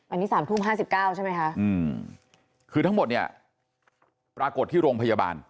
อันนี้๓ทุ่ม๕๙ใช่ไหมคะคือทั้งหมดเนี่ยปรากฏที่โรงพยาบาล